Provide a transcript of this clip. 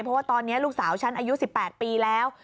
เพราะว่าตอนนี้ลูกสาวฉันอายุ๑๘ปีแล้ว